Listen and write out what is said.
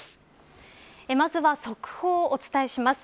まずは速報をお伝えします。